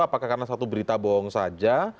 apakah karena satu berita bohong saja